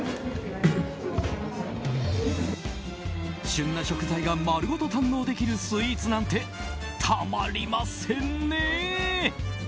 旬な食材が丸ごと堪能できるスイーツなんてたまりませんね！